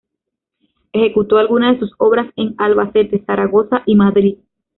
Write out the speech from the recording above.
Ejecutó algunas de sus obras en Albacete, Zaragoza y Madrid.